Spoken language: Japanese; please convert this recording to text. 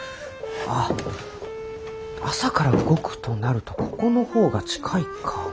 あっ朝から動くとなるとここの方が近いか。